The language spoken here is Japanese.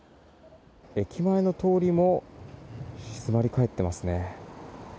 駅前の通りも静まり返ってますね。